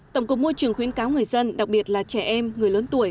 tổng cục môi trường khuyến cáo người dân đặc biệt là trẻ em người lớn tuổi